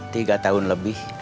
tiga tahun lebih